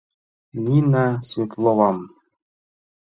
— Нина Светловам...